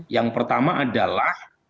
yang pertama adalah